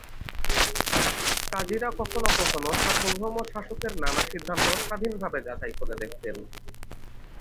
কাজীরা কখনও কখনও সার্বভৌম শাসকের নানা সিদ্ধান্ত স্বাধীনভাবে যাচাই করে দেখতেন।